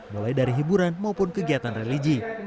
mulai dari hiburan maupun kegiatan religi